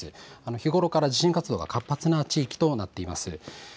日頃から地震活動が活発な地域となっています。